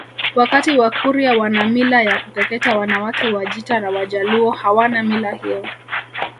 wakati Wakurya wana mila ya kukeketa wanawake Wajita na Wajaluo hawana mila hiyo